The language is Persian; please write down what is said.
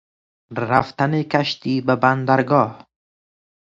رفتن کشتی به بندرگاه